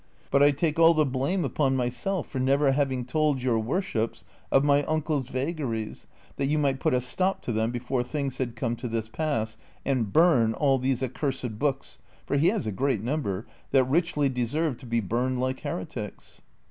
But I take all the blame upon myself for never having told your worships of my uncle's vagaries, that you might put a stop to them before things had come to this pass, and burn all these accursed books — for he has a great number — that richly deserve to be burned like heretics."